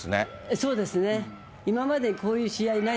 そうですね。